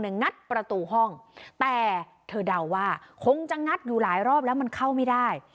งัดประตูห้องแต่เธอเดาว่าคงจะงัดอยู่หลายรอบแล้วมันเข้าไม่ได้